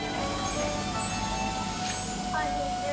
こんにちは。